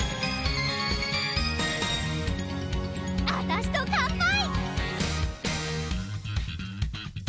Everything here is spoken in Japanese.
あたしと乾杯！